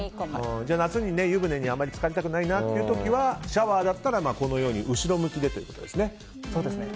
夏に湯船にあまり浸かりたくない時はシャワーだったら後ろ向きでということですね。